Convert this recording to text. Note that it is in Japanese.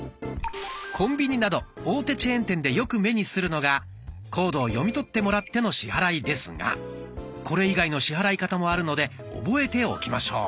コンビニなど大手チェーン店でよく目にするのがコードを読み取ってもらっての支払いですがこれ以外の支払い方もあるので覚えておきましょう。